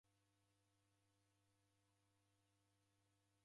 Kochokocho ra mburi.